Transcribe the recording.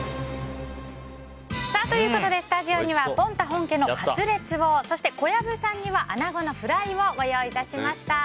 ということで、スタジオにはぽん多本家のカツレツを、そして小籔さんには穴子のフライをご用意致しました。